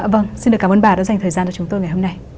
vâng xin được cảm ơn bà đã dành thời gian cho chúng tôi ngày hôm nay